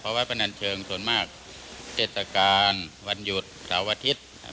เพราะว่าปนัญชญ์ส่วนมากเศรษฐการณ์วันหยุดเท้าอาทิตย์